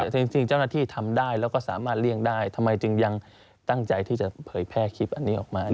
แต่จริงเจ้าหน้าที่ทำได้แล้วก็สามารถเลี่ยงได้ทำไมจึงยังตั้งใจที่จะเผยแพร่คลิปอันนี้ออกมา